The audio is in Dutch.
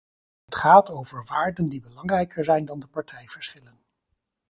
Het gaat over waarden die belangrijker zijn dan de partijverschillen.